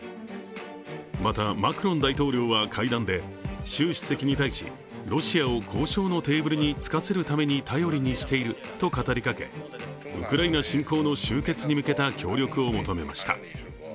また、マクロン大統領は会談で、習主席に対しロシアを交渉のテーブルにつかせるために頼りにしていると語りかけウクライナ侵攻の終結に向けた協力を求めました。